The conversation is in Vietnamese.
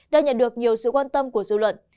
đã nhận được nhiều sự quan tâm của dư luận